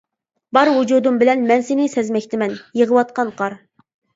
بار ۋۇجۇدۇم بىلەن مەن سېنى سەزمەكتىمەن، يېغىۋاتقان قار.